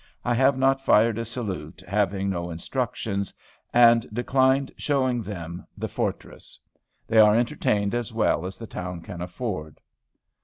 I have not fired a salute, having no instructions, and declined showing them the fortress. They are entertained as well as the town can afford."